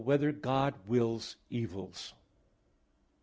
8] Whether God Wills Evils?